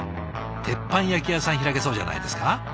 鉄板焼き屋さん開けそうじゃないですか？